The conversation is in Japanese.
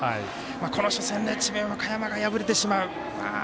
この初戦で、智弁和歌山が敗れてしまう。